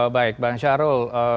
baik bang syarul